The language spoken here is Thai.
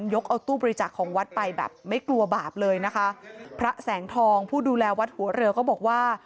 ยกเอาตู้บริจาคของวัดไปแบบไม่กลัวบาปเลยนะคะพระแสงทองผู้ดูแลวัดหัวเรือก็บอกว่า